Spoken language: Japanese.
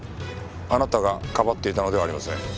あなたがかばっていたのではありません。